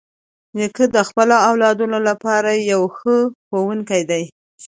نیکه د خپلو اولادونو لپاره یو ښه ښوونکی دی.